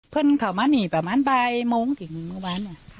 เพื่อนเขามานี่ประมาณปลายโมงถึงโมงบ้าน